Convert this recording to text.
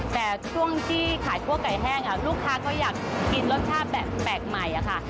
แต่ช่วงที่ขายคั่วไก่แห้งลูกค้าก็อยากกินรสชาติแบบแปลกใหม่ค่ะ